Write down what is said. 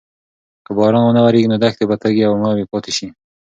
که باران ونه وریږي نو دښتې به تږې او مړاوې پاتې شي.